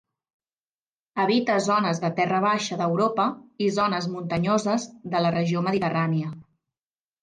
Habita zones de terra baixa d'Europa i zones muntanyoses de la regió mediterrània.